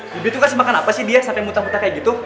bibi tuh kasih makan apa sih dia sampe mutah mutah kayak gitu